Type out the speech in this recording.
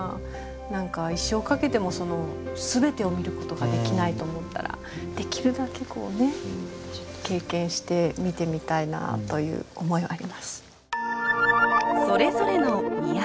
何か一生かけても全てを見ることができないと思ったらできるだけ経験して見てみたいなという思いはあります。